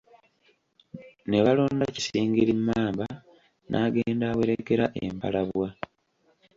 Ne balonda Kisingiri Mmamba N'agenda awerekera Empalabwa!